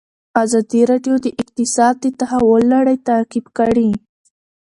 ازادي راډیو د اقتصاد د تحول لړۍ تعقیب کړې.